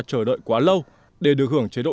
chờ đợi quá lâu để được hưởng chế độ